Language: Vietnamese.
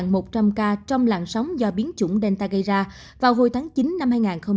nhiều ca tử vong trong lần làn sóng do biến chủng delta gây ra vào hồi tháng chín năm hai nghìn hai mươi một